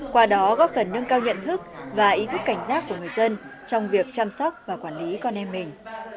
qua đó góp phần nâng cao nhận thức và ý thức cảnh giác của người dân trong việc chăm sóc và quản lý con em mình